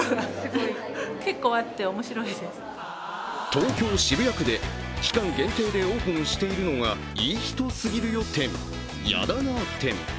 東京・渋谷区で期間限定でオープンしているのが「いい人すぎるよ展・やだなー展」。